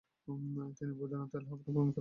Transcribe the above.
তিনি বৈদ্যনাথ ও এলাহাবাদ ভ্রমণ করেন।